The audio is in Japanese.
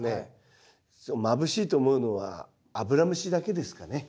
それまぶしいと思うのはアブラムシだけですかね。